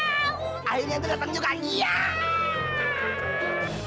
akhirnya tersenyum juga yah